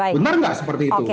benar nggak seperti itu